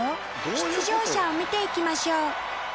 出場者を見て行きましょう。